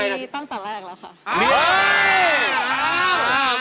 มีตั้งแต่แรกแล้วค่ะ